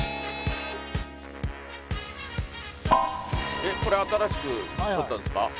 えっこれ新しく撮ったんですか？